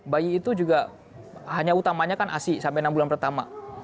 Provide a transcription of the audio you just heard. bayi itu juga hanya utamanya kan asi sampai enam bulan pertama